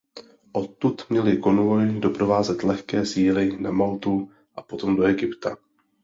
Odtud měly konvoj doprovázet lehké síly na Maltu a potom do Egypta.